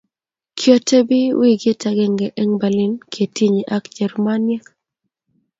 kiotebi wikit agenge eng Berlin ketinye ak Jerumaniek